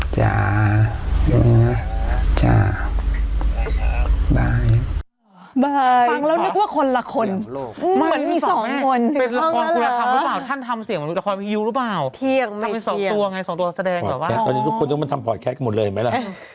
จ้ามองออกตัวหลับได้ไหมครับ